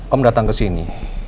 om datang kesini